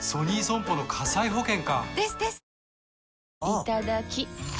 いただきっ！